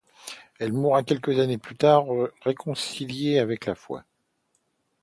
Elle mourra quelques années plus tard réconciliée avec la foi.